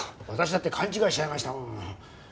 私だって勘違いしちゃいましたもん。